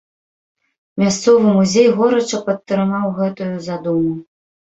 Мясцовы музей горача падтрымаў гэтую задуму.